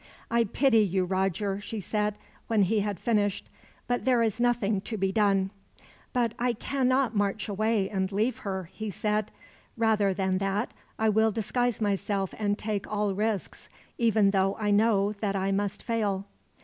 "I pity you, Roger," she said, when he had finished; "but there is nothing to be done." "But I cannot march away and leave her," he said. "Rather than that, I will disguise myself and take all risks, even though I know that I must fail."